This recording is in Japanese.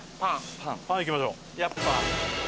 「パン」いきましょう。